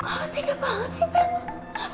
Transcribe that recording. kok lo tega banget sih pak